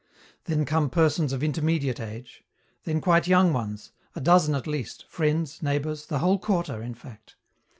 Then come persons of intermediate age then quite young ones, a dozen at least, friends, neighbors, the whole quarter, in fact.